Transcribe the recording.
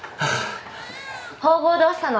縫合どうしたの？